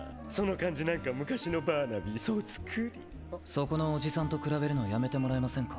そこのおじさんと比べるのやめてもらえませんか。